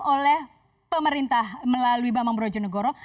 oleh pemerintah melalui bambang brojonegoro